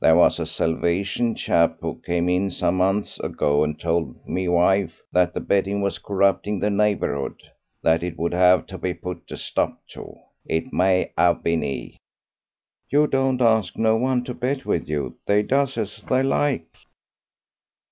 "There was a Salvation chap who came in some months ago and told my wife that the betting was corrupting the neighbourhood. That it would have to be put a stop to. It may 'ave been 'e." "You don't ask no one to bet with you. They does as they like."